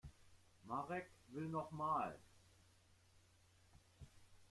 Marek will noch mal.